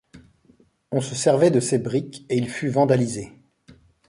On se servait de ses briques et il fut vandalisé.